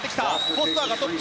フォスターがトップ。